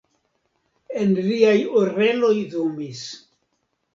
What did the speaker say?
En liaj oreloj zumis.